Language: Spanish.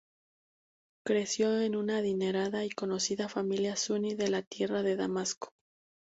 Creció en una adinerada y conocida familia suní de la tierra de Damasco.